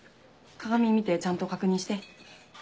鏡見てちゃんと確認して。